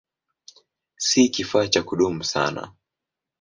Si kifaa cha kudumu sana.